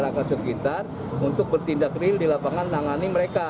ini preventive strike yang bisa kita depankan